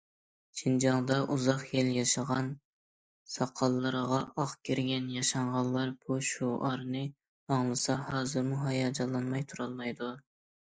شىنجاڭدا ئۇزاق يىل ياشىغان، ساقاللىرىغا ئاق كىرگەن ياشانغانلار بۇ شوئارنى ئاڭلىسا ھازىرمۇ ھاياجانلانماي تۇرالمايدۇ.